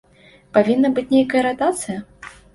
Павінна быць нейкая ратацыя?